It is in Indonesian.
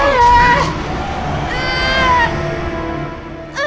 bapak aku tak tahu